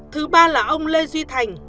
thứ ba là ông lê duy thành